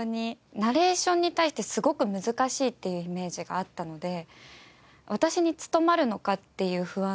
ナレーションに対してすごく難しいっていうイメージがあったので私に務まるのかっていう不安と。